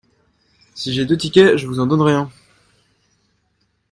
si j'ai deux tickets, je vous en donnerai un.